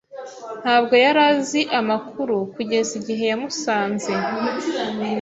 Ntabwo yari azi amakuru kugeza igihe yamusanze.